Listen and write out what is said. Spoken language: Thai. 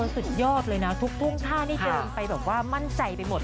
สุดยอดเลยนะทุกทุ่งท่านี่เกินไปแบบว่ามั่นใจไปหมด